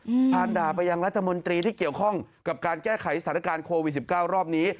อาหารด่าไปยังราชมนตรีที่เกี่ยวข้องกับการแก้ไขสตรการโควิด๑๙รอบนี้